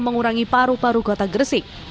mengurangi paru paru kota gresik